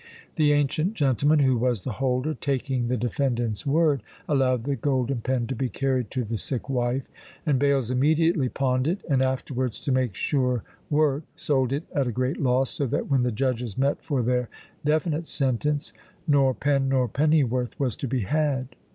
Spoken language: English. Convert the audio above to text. The ancient gentleman who was the holder, taking the defendant's word, allowed the golden pen to be carried to the sick wife; and Bales immediately pawned it, and afterwards, to make sure work, sold it at a great loss, so that when the judges met for their definite sentence, nor pen nor pennyworth was to be had!